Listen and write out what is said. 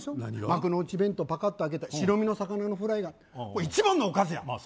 幕の内弁当パカッと開けて白身の魚のフライがあるこれ一番のおかずやんまあ